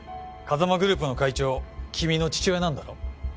風間グループの会長君の父親なんだろ？